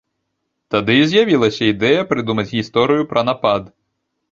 Тады і з'явілася ідэя прыдумаць гісторыю пра напад.